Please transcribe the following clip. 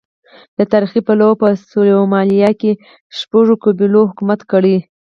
له تاریخي پلوه په سومالیا کې شپږو قبیلو حکومت کړی دی.